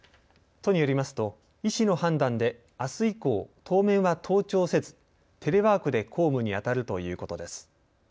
都によりますと医師の判断であす以降、当面は登庁せずテレワークで公務にあたるということです。